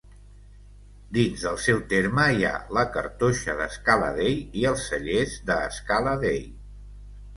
Dins del seu terme hi ha la cartoixa d'Escaladei i els cellers de Scala Dei.